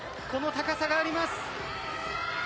この高さがあります。